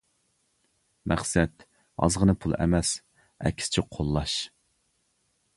مەقسەت: ئازغىنە پۇل ئەمەس، ئەكسىچە قوللاش!